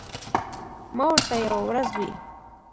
ما ورته یوه ورځ وې ـ